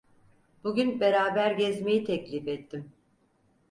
Bugün beraber gezmeyi teklif ettim…